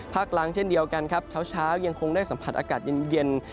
ภาคหลังเช่นเดียวกันเช้าช้ายังคงได้สัมผัสอากาศเย็น